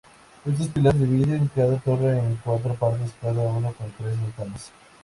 Estos pilares dividen cada torre en cuatro partes, cada una con tres ventanas.